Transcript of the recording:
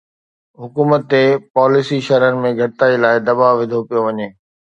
حڪومت تي پاليسي شرحن ۾ گهٽتائي لاءِ دٻاءُ وڌو پيو وڃي